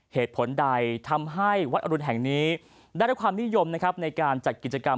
เหตุผลใดทำให้วัดอรุณแห่งนี้ได้รับความนิยมนะครับในการจัดกิจกรรม